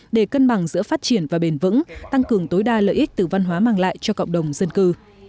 để cân bằng giữa phát triển và bền vững tăng cường tối đa lợi ích từ văn hóa mang lại cho cộng đồng dân cư